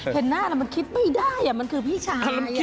เห็นหน้าแล้วมันคิดไม่ได้มันคือพี่ชาย